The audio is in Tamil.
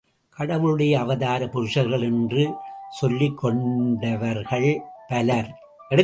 கடவுளுடைய அவதார புருஷர்கள் என்று சொல்லிக் கொண்டவர்கள் பலர்.